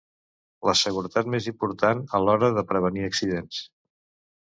La seguretat més important a l'hora de prevenir accidents.